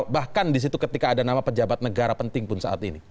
bahkan disitu ketika ada nama pejabat negara penting pun saat ini